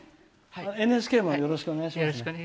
ＮＨＫもよろしくお願いします。